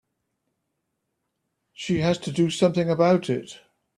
She has to do something about it.